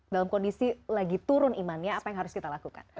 dalam kondisi lagi turun imannya apa yang harus kita lakukan